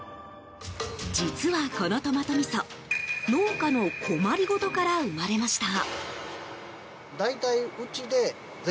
実は、このとまとみそ農家の困りごとから生まれました。